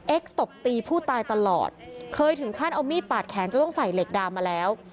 ตบตีผู้ตายตลอดเคยถึงขั้นเอามีดปาดแขนจนต้องใส่เหล็กดามมาแล้ว